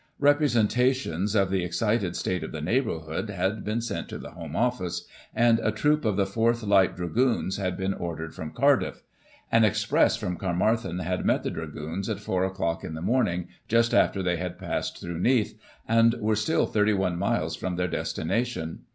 Representations of the excited state of the neighbourhood had been sent to the Home Office, and a troop of the 4th Light Dragoons had been ordered from Cardiff. An express from Caermarthen had met the Dragoons at four o'clock in the morning, just after they had passed through Neath, and were still 31 miles from their destination.